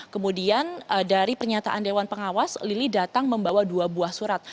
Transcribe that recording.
kemudian dari pernyataan dewan pengawas lili datang membawa dua buah surat